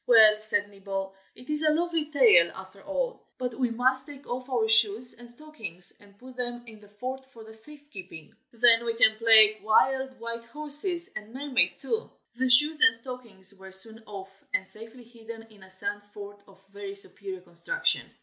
"Well," said Nibble, "it is a lovely tail, after all. But we must take off our shoes and stockings, and put them in the fort for safe keeping. Then we can play 'wild white horses' and 'mermaid' too." The shoes and stockings were soon off, and safely hidden in a sand fort of very superior construction.